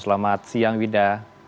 selamat siang wida